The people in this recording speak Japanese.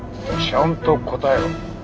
ちゃんと答えろ。